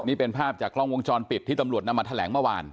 นี่เป็นภาพจากกล้องวงจรปิดที่ตำรวจนำมาแถลงเมื่อวาน